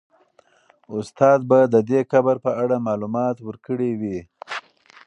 استاد به د دې قبر په اړه معلومات ورکړي وي.